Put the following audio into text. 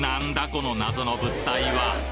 この謎の物体は？